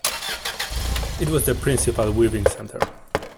It was the principal weaving centre.